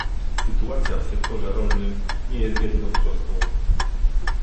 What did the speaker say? Sytuacja w sektorze rolnym nie jest jedyną troską